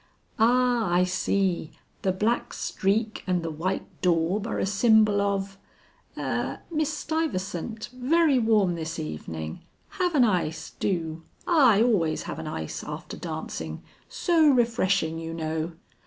"Ah, I see, the black streak and the white daub are a symbol of, 'Er Miss Stuyvesant very warm this evening! Have an ice, do. I always have an ice after dancing; so refreshing, you know.'"